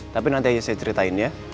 tapi nanti saya ceritain ya